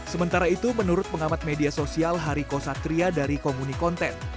sementara itu menurut pengamat media sosial hariko satria dari komuni konten